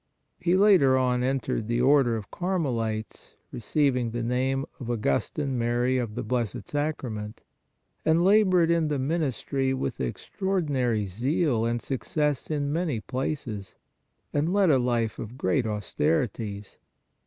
He later on en tered the Order of Carmelites, receiving the name of Augustine Mary of the Blessed Sacrament, and labored in the ministry with extraordinary zeal and success in many places, and led a life of great n6 PRAYER austerities.